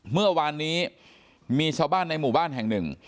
เมื่อวานนี้มีชาวบ้านในหมู่บ้านแห่งหนึ่ง